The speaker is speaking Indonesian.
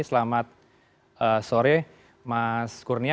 selamat sore mas kurnia